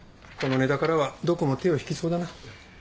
このネタからはどこも手を引きそうだな。